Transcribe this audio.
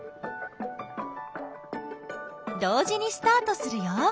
同時にスタートするよ。